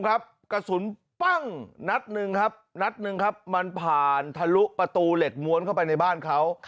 กระสุนปั้งนัดนึงมันผ่านทะลุประตูเล็ดม้วนเข้าไปในบ้านเขา